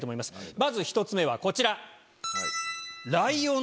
まず１つ目はこちら。